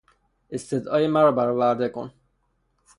استدعای مرا برآورده کن!